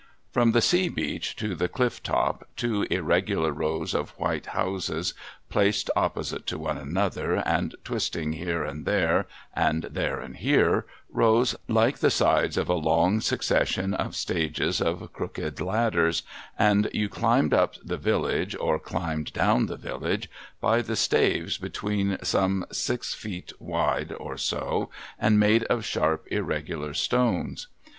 From the sea beach to the cliff top two irregular rows of white houses, placed opposite to one another, and twisting here and there, and there and here, rose, like the sides of a long succes sion of stages of crooked ladders, and you climbed up the village or climbed down the village by the staves between, some six feet wide or so, and made of sharp irregular stones.